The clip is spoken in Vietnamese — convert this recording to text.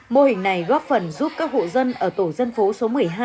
mô hình này góp phần giúp các hộ dân ở tổ dân phố số một mươi hai